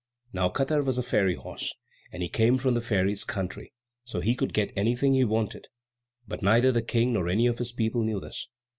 Now Katar was a fairy horse, and came from the fairies' country, so he could get anything he wanted; but neither the King nor any of his people knew this.